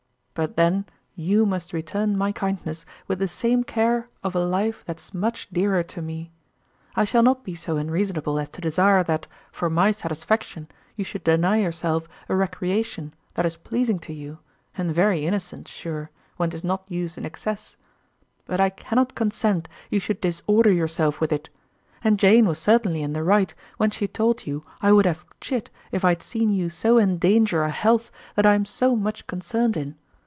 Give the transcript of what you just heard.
But then you must return my kindness with the same care of a life that's much dearer to me. I shall not be so unreasonable as to desire that, for my satisfaction, you should deny yourself a recreation that is pleasing to you, and very innocent, sure, when 'tis not used in excess, but I cannot consent you should disorder yourself with it, and Jane was certainly in the right when she told you I would have chid if I had seen you so endanger a health that I am so much concerned in.